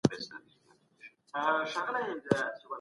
ما د سبا لپاره د لغتونو زده کړه کړې ده.